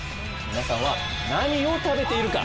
皆さんは何を食べているか。